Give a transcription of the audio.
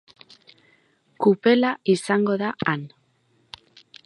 Kupela izango da han.